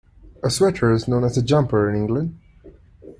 A sweater is known as a jumper in England.